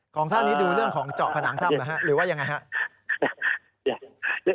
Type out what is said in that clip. ของท่านนี้ดูเรื่องของเจาะผนังถ้ำหรือฮะหรือว่ายังไงครับ